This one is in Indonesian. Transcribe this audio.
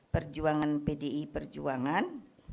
perjuangan pdi perjuangan